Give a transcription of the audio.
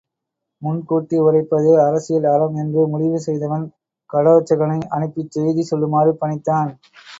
முன்கூட்டி உரைப்பது அரசியல் அறம் என்றுமுடிவு செய்தவன் கடோற்சகனை அனுப்பிச் செய்தி சொல்லுமாறு பணித்தான்.